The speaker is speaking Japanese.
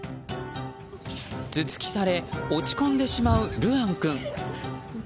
頭突きされ落ち込んでしまう琉空君。